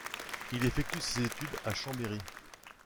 Il effectue ses études à Chambéry.